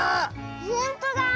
ほんとだ！